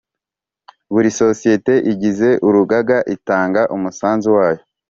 Buri sosiyete igize urugaga itanga umusanzu wayo